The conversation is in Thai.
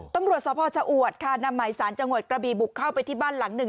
ตำรวจสพชะอวดค่ะนำหมายสารจังหวัดกระบีบุกเข้าไปที่บ้านหลังหนึ่ง